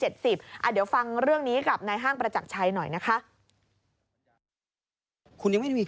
เดี๋ยวฟังเรื่องนี้กับนายห้างประจักรชัยหน่อยนะคะ